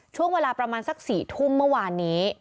ช่วงเวลาประมาณสัก๔ทุ่มเมื่อวานนี้